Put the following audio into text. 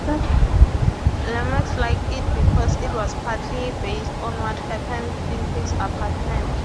Lomax liked it because it was partly based on what happened in his apartment.